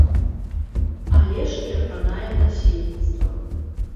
Але ж і апранаем насельніцтва.